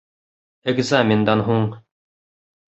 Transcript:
Экзамендан һуң